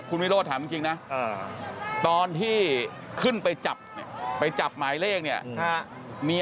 คุณวิโรธถามจริงนะตอนที่ขึ้นไปจับไปจับหมายเลขเนี่ย